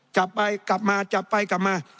กลับไปกลับมาจับไปกลับมา